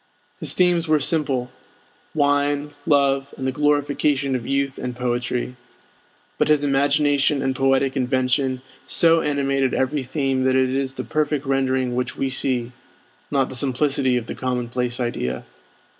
His themes were simple, wine, love, and the glorification of youth and poetry; but his imagination and poetic invention so animated every theme that it is the perfect rendering which we see, not the simplicity of the commonplace idea.